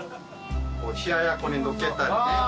冷ややっこにのっけたりね